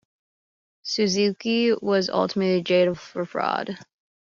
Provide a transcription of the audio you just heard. Suzuki was ultimately jailed for fraud.